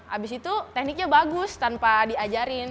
abis itu tekniknya bagus tanpa diajarin